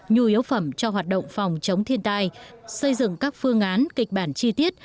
nhu yếu phẩm cho hoạt động phòng chống thiên tai xây dựng các phương án kịch bản chi tiết